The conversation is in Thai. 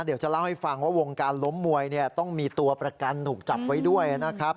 เดี๋ยวจะเล่าให้ฟังว่าวงการล้มมวยเนี่ยต้องมีตัวประกันถูกจับไว้ด้วยนะครับ